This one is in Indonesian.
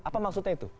apa maksudnya itu